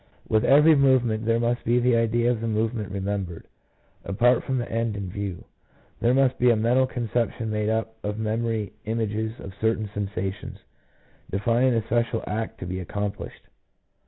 With every movement there must be the idea of the movement remembered, apart from the end in view. There must be a mental conception made up of memory images of certain sensations, defining the special act to be accomplished.